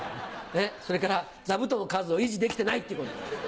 それからざぶとんの数をいじできてないっていうこと。